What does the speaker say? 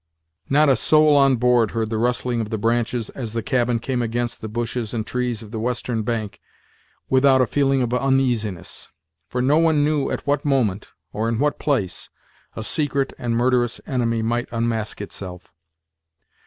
Not a soul on board heard the rustling of the branches, as the cabin came against the bushes and trees of the western bank, without a feeling of uneasiness; for no one knew at what moment, or in what place, a secret and murderous enemy might unmask himself.